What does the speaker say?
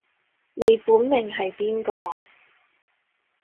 你本命係邊個